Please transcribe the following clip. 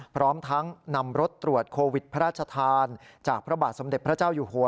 พร้อมทั้งนำรถตรวจโควิดพระราชทานจากพระบาทสมเด็จพระเจ้าอยู่หัว